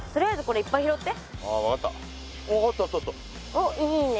おっいいね。